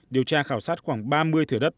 điều tra khảo sát khoảng ba mươi thửa đất